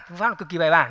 phương pháp cực kỳ bài bản